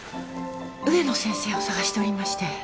植野先生を探しておりまして。